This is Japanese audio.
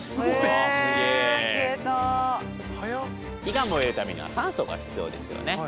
火が燃えるためには酸素が必要ですよね。